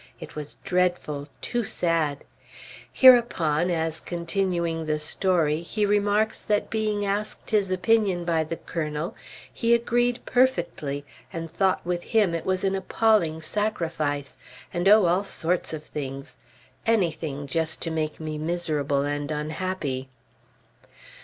It was dreadful! Too sad! Hereupon, as continuing the story, he remarks that being asked his opinion by the Colonel, he agreed perfectly and thought with him it was an appalling sacrifice, and oh, all sorts of things! Anything, just to make me miserable and unhappy!